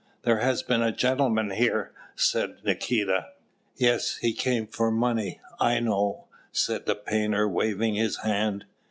"There has been a gentleman here," said Nikita. "Yes, he came for money, I know," said the painter, waving his hand.